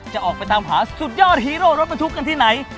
จะออกไปตามหาสุดยอดฮีโร่รถบรรทุกกันที่ไหน